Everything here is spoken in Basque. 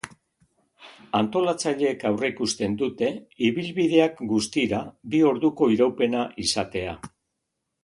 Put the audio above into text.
Antolatzaileek aurreikusten dute ibilbideak guztira bi orduko iraupena izatea.